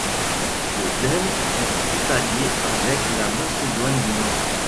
Le dème est frontalier avec la Macédoine du Nord.